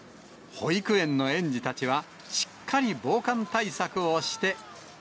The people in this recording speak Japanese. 保育園の園児たちは、しっかり防寒対策をして。